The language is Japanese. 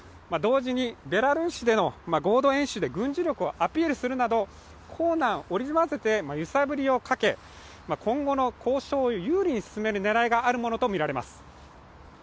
同時にベラルーシでの合同演習で軍事力をアピールするなど硬軟織り交ぜて揺さぶりをかけ、今後の交渉を有利に進める狙いがあるものとみられます。